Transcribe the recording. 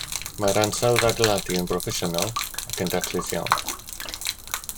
Mae'r ansawdd adeiladu yn broffesiynol ac yn daclus iawn